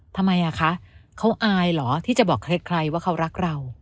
ทำไมอ่ะคะเขาอายเหรอที่จะบอกใครว่าเขารักเรา